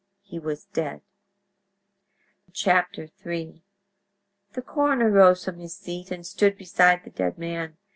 He was dead." III The coroner rose from his seat and stood beside the dead man.